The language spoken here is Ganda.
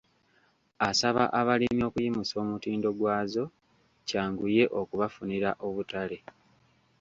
Asaba abalimi okuyimusa omutindo gwazo kyanguye okubafunira obutale.